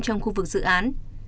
trong khu vực dự án